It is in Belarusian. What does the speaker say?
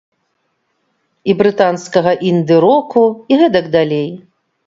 І брытанскага інды-року, і гэтак далей.